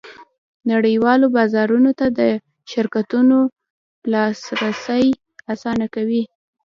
نړیوالو بازارونو ته د شرکتونو لاسرسی اسانه کوي